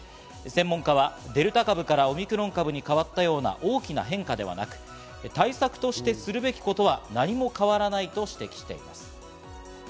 専門家はデルタ株からオミクロン株に変わったような大きな変化ではなく対策としてするべきことは何も変わらないと指摘しています。